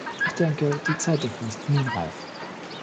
Ich denke, die Zeit dafür ist nun reif.